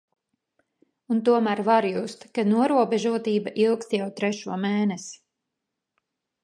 Un tomēr var just, ka norobežotība ilgst jau trešo mēnesi.